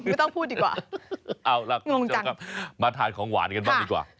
ไม่ต้องพูดดีกว่าเอาล่ะงงจากมาทานของหวานกันบ้างดีกว่า